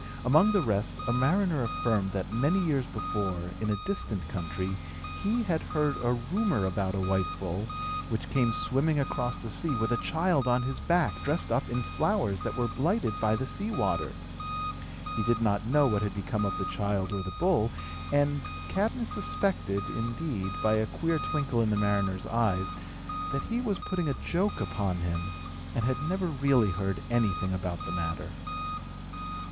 Among the rest, a mariner affirmed, that, many years before, in a distant country, he had heard a rumour about a white bull, which came swimming across the sea with a child on his back, dressed up in flowers that were blighted by the sea water. He did not know what had become of the child or the bull; and Cadmus suspected, indeed, by a queer twinkle in the mariner's eyes, that he was putting a joke upon him, and had never really heard anything about the matter.